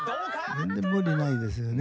全然無理ないですよね。